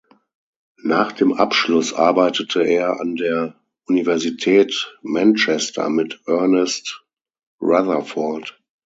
Nach dem Abschluss arbeitete er an der Universität Manchester mit Ernest Rutherford.